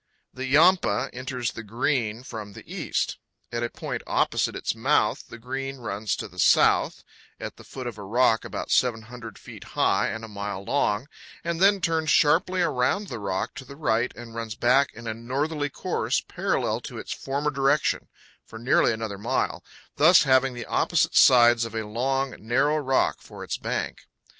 THE Yampa enters the Green from the east. At a point opposite its mouth the Green runs to the south, at the foot of a rock about 700 feet high and a mile long, and then turns sharply around the rock to the right and runs back in a northerly course parallel to its former direction for nearly another mile, thus having the opposite sides of a long, narrow rock for its bank.